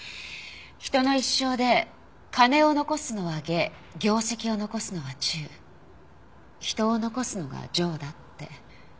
人の一生で金を残すのは下業績を残すのは中人を残すのが上だって。